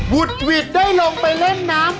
ุดหวิดได้ลงไปเล่นน้ำ